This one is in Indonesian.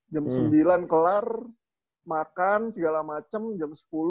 jam sembilan kelar makan segala macem jam sepuluh